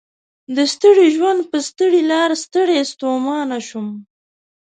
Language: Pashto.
د ستړي ژوند په ستړي لار ستړی ستومان شوم